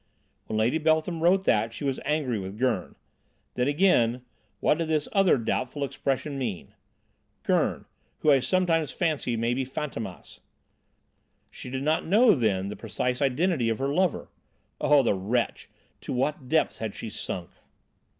When Lady Beltham wrote that she was angry with Gurn. Then again what did this other doubtful expression mean? 'Gurn who I sometimes fancy may be Fantômas.' She did not know then the precise identity of her lover! Oh, the wretch! To what depths had she sunk?"